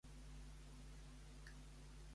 Quin era el contingut l'ampolla?